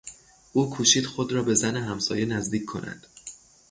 او کوشید خود را به زن همسایه نزدیک کند.